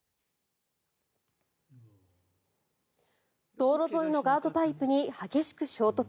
道路沿いのガードパイプに激しく衝突。